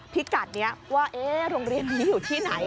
พิกัดนี้ว่าโรงเรียนนี้อยู่ที่ไหน